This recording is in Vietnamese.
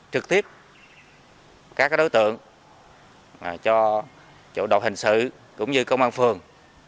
giúp các đối tượng cho chủ độ hình sự cũng như công an phường